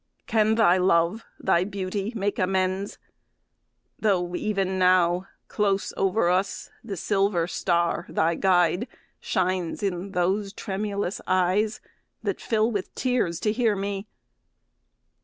Can thy love, Thy beauty, make amends, tho' even now, Close over us, the silver star, thy guide, Shines in those tremulous eyes that fill with tears To hear me?